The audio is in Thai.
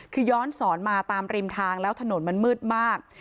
คือย้อนสอนมาตามริมทางแล้วถนนมันมืดมาก